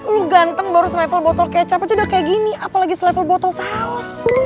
lu ganteng baru selevel botol kecap itu udah kayak gini apalagi selevel botol saus